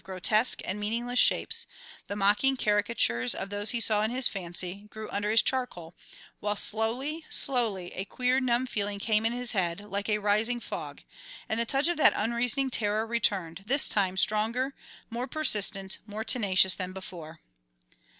Grotesque and meaningless shapes, the mocking caricatures of those he saw in his fancy, grew under his charcoal, while slowly, slowly, a queer, numb feeling came in his head, like a rising fog, and the touch of that unreasoning terror returned, this time stronger, more persistent, more tenacious than before.